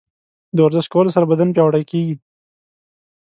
د ورزش کولو سره بدن پیاوړی کیږي.